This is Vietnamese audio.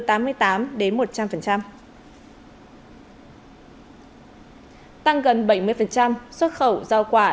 tăng gần bảy mươi xuất khẩu giao quả